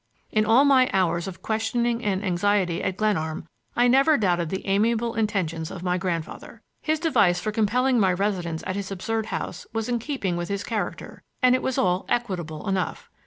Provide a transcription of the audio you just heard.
In all my hours of questioning and anxiety at Glenarm I never doubted the amiable intentions of my grandfather. His device for compelling my residence at his absurd house was in keeping with his character, and it was all equitable enough.